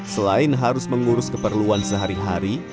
selain harus mengurus keperluan sehari hari